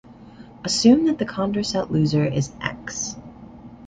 Assume that the Condorcet loser is X.